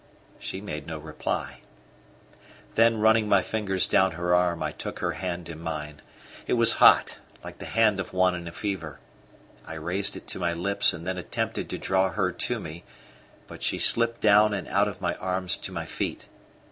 She made no reply. Then, running my fingers down her arm, I took her hand in mine. It was hot, like the hand of one in a fever. I raised it to my lips and then attempted to draw her to me, but she slipped down and out of my arms to my feet.